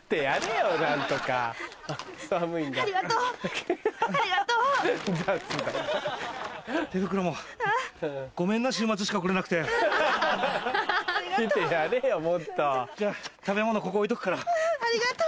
うんありがとう！